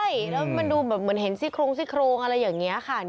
เหมือนดูเหมือนเห็นซิดโครง